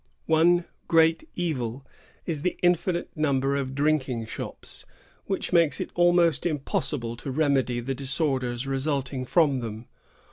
One great evil is the infinite number of drinking shops, which makes it almost impossible to remedy the disorders resulting from them.